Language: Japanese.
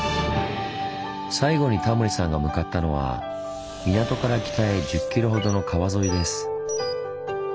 最後にタモリさんが向かったのは港から北へ１０ｋｍほどの川沿いです。